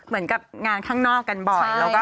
เหมือนกับงานข้างนอกกันบ่อย